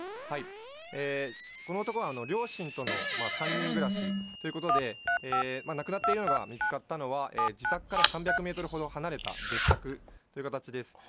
この男は、両親との３人暮らしということで、亡くなっているのが見つかったのは、自宅から３００メートルほど離れた別宅という形です。